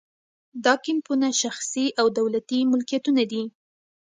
دا کیمپونه شخصي او دولتي ملکیتونه دي